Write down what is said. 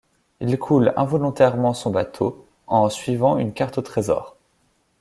Il coule involontairement son bateau en suivant une carte au trésor.